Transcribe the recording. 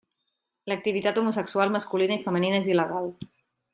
L'activitat homosexual masculina i femenina és il·legal.